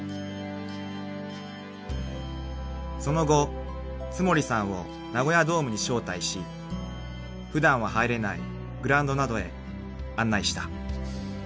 ［その後津森さんをナゴヤドームに招待し普段は入れないグラウンドなどへ案内した］